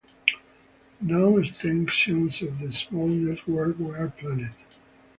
No extensions of the small network were planned.